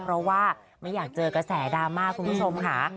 เพราะว่าไม่อยากเจอกระแสดราม่าคุณผู้ชมค่ะ